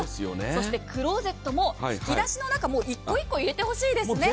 そしてクローゼットも引き出しの中、１個１個入れてほしいですね。